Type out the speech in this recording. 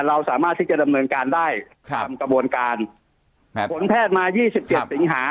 เราสามารถที่จะดำเนินการได้ตามกระบวนการครับผลแพทย์มายี่สิบเจ็ดสิงหา